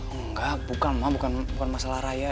enggak bukan mama bukan masalah raya